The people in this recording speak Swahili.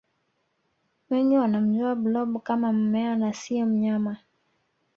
wengi wanamjua blob kama mmea na siyo mnyama